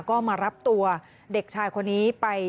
ก็มารับตัวเด็กชายคนนี้ไป